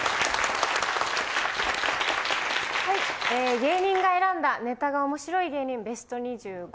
芸人が選んだネタが面白い芸人ベスト２５。